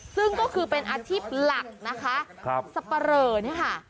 ซึ่งก็คือเป็นอาชีพหลักนะคะสับปะเหลอนี่ค่ะ